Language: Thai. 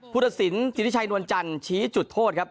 พุทธศิลปิริชัยนวลจันทร์ชี้จุดโทษครับ